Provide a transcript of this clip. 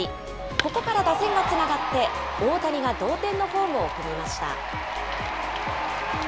ここから打線がつながって、大谷が同点のホームを踏みました。